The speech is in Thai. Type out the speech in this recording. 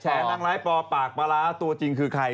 นางร้ายปอปากปลาร้าตัวจริงคือใคร